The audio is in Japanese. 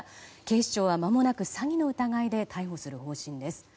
警視庁はまもなく詐欺の疑いで逮捕する方針です。